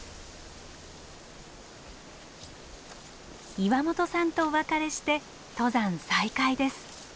岩本さんとお別れして登山再開です。